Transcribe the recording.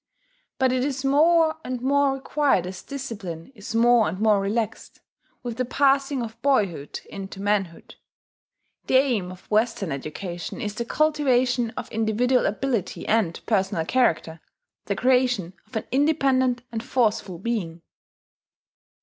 But it is more and more required as discipline is more and more relaxed, with the passing of boyhood into manhood. The aim of Western education is the cultivation of individual ability and personal character, the creation of an independent and forceful being.